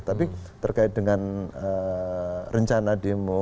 tapi terkait dengan rencana demo